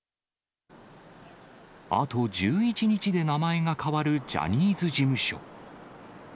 あと１１日で名前が変わるジャニーズ事務所。